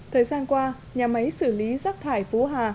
thời gian qua nhà máy xử lý rác thải phú hà